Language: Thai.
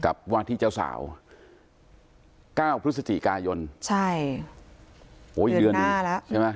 กับว่าที่เจ้าสาวเก้าพฤศจิกายนใช่โอ้ยอีกเดือนหนึ่งใช่ไหม